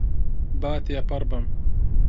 با تێپەڕبم.